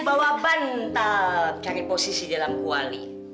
bahwa bantal cari posisi dalam kuali